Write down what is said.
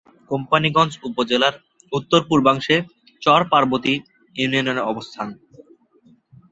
কোম্পানীগঞ্জ উপজেলার উত্তর-পূর্বাংশে চর পার্বতী ইউনিয়নের অবস্থান।